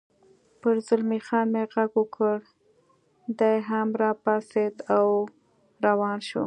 پر زلمی خان مې غږ وکړ، دی هم را پاڅېد او روان شو.